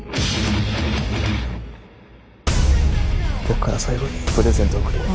僕から最後にプレゼントを贈るよ。